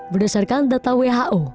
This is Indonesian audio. berdasarkan data who